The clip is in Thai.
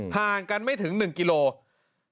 ห่างกันไม่ถึง๑กิโลกรัม